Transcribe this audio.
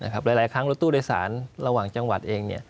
หลายครั้งรถตู้โดยสารระหว่างจังหวัดเอง